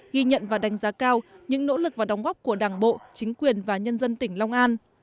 ghi nhận và đánh giá cao những nỗ lực và đóng góp của đảng bộ chính quyền và nhân dân tỉnh long an